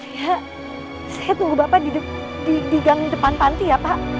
ya saya tunggu bapak di gang depan panti ya pak